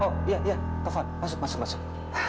oh iya iya taufan masuk masuk masuk